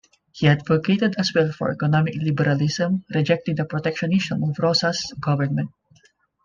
He advocated as well for economic liberalism, rejecting the protectionism of Rosas' government.